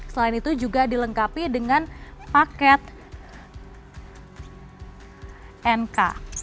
selain itu juga dilengkapi dengan paket nk